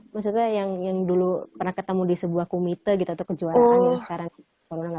maksudnya yang dulu pernah ketemu di sebuah komite gitu atau kejuaraan yang sekarang corona